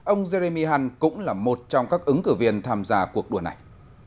ông jeremy hunt cũng là một trong các ứng cử viên tham gia cuộc đua này